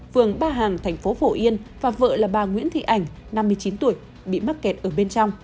phường ba hàng thành phố phổ yên và vợ là bà nguyễn thị ảnh năm mươi chín tuổi bị mắc kẹt ở bên trong